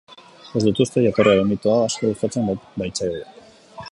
Ez dut uste, jatorriaren mitoa asko gustatzen baitzaigu.